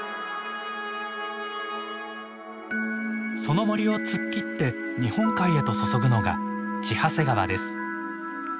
その森を突っ切って日本海へと注ぐのが千走川です。